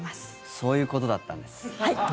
そういうことだったんです。